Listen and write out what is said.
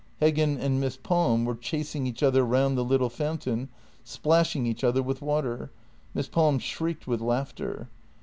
Heggen and Miss Palm were chasing each other round the little fountain, splashing each other with water. Miss Palm shrieked with laughter.